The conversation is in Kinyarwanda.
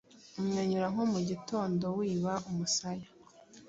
Umwenyura nko mugitondo wiba umusaya,